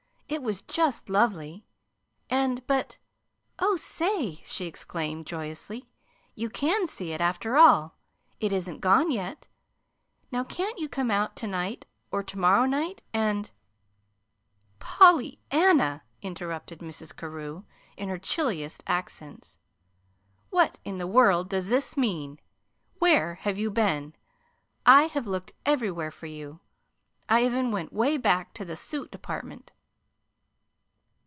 "It was just lovely, and But, oh, say!" she exclaimed joyously. "You can see it, after all. It isn't gone yet. Now, can't you come out to night, or to morrow night, and " "PollyANNA!" interrupted Mrs. Carew in her chilliest accents. "What in the world does this mean? Where have you been? I have looked everywhere for you. I even went 'way back to the suit department."